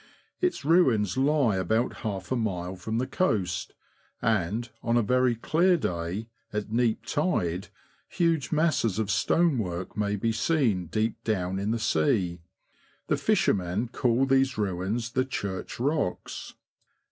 Its ruins lie about half a mile from the coast, and, on a very clear day, at neap tide, huge masses of stonework may be seen deep down in the sea; the fishermen call these ruins the Church Rocks.